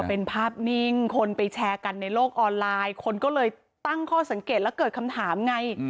เป็นภาพนิ่งคนไปแชร์กันในโลกออนไลน์คนก็เลยตั้งข้อสังเกตแล้วเกิดคำถามไง